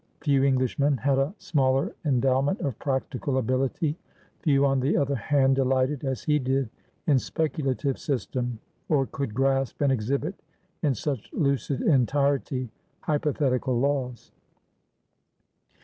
Few Englishmen had a smaller endowment of practical ability; few, on the other hand, delighted as he did in speculative system, or could grasp and exhibit in such lucid entirety hypothetical laws.